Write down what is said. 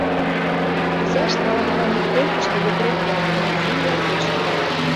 Изашт ала-молан ик койкышто йыгыре кият, но вуйла-почла малат.